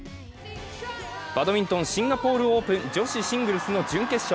バドミントン・シンガポールオープン女子シングルスの準決勝。